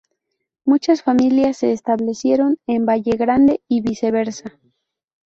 Muchas familias se establecieron en Vallegrande y viceversa.